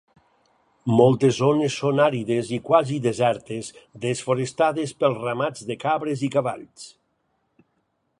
Moltes zones són àrides i quasi desertes desforestades pels ramats de cabres i cavalls.